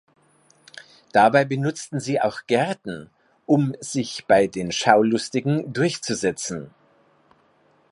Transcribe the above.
Dabei benutzten sie auch Gerten, um sich bei den Schaulustigen durchzusetzen.